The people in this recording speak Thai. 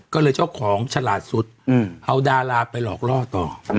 ก็เลยเจ้าของฉลาดสุดเอาดาราไปหลอกล่อต่อ